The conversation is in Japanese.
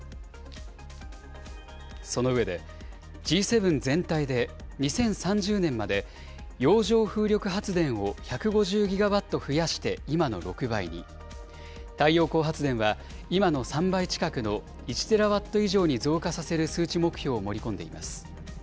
その上で、Ｇ７全体で２０３０年まで、洋上風力発電を１５０ギガワット増やして今の６倍に、太陽光発電は今の３倍近くの１テラワット以上に増加させる数値目標を盛り込んでいます。